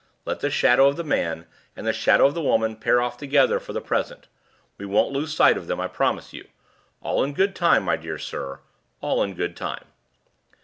Let the Shadow of the Man and the Shadow of the Woman pair off together for the present; we won't lose sight of them, I promise you. All in good time, my dear sir; all in good time!"